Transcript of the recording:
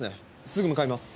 すぐ向かいます。